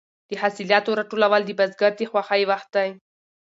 د حاصلاتو راټولول د بزګر د خوښۍ وخت دی.